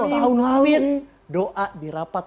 tahun lalu doa di rapat